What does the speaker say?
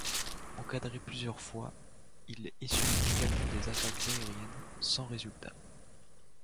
Encadré plusieurs fois, il essuie également des attaques aériennes, sans résultat.